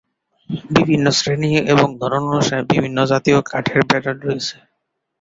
বিভিন্ন শ্রেণী এবং ধরন অনুসারে বিভিন্ন জাতিয় কাঠের ব্যারেল রয়েছে।